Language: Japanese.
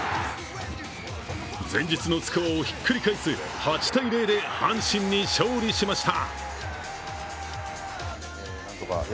前日のスコアをひっくり返す８−０で阪神に勝利しました。